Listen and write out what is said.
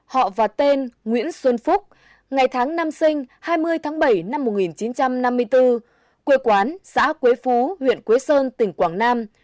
họ và tên nguyễn xuân phúc ngày tháng năm sinh hai mươi tháng bảy năm một nghìn chín trăm năm mươi bốn quê quán xã quế phú huyện quế sơn tỉnh quảng nam